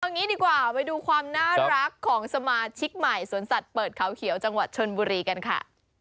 งี้ดีกว่าไปดูความน่ารักของสมาชิกใหม่สวนสัตว์เปิดเขาเขียวจังหวัดชนบุรีกันค่ะ